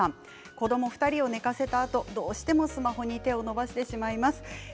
子ども２人を寝かせたあとにどうしてもスマホに手を伸ばしてしまいます。